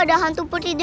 ada hantu putih